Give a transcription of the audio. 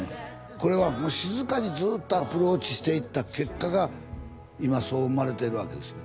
これは静かにずーっとアプローチしていった結果が今そう思われてるわけですね